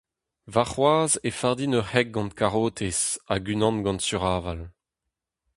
Warc'hoazh e fardin ur c'hêk gant karotez hag unan gant suraval.